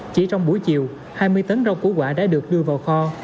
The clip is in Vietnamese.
chỉ trong buổi chiều hai mươi tấn rau củ quả đã được đưa vào kho